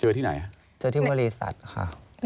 เจอที่ไหนค่ะเจอที่บริษัทค่ะ